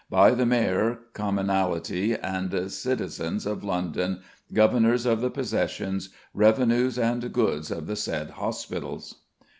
By the Mayor, Cominaltie, and Citizens of London, Governours of the Possessions, Revenues and Goods of the sayd Hospitals."